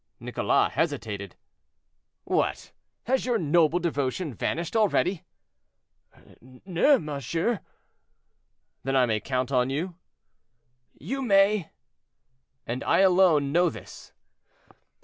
Nicholas hesitated. "What! has your noble devotion vanished already?" "No, monsieur." "Then I may count on you?" "You may." "And I alone know this?"